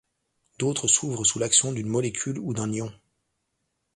D'autres s'ouvrent sous l'action d'une molécule ou d'un ion.